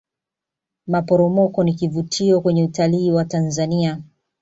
maporomoko ni kivutio kwenye utalii wa tanzania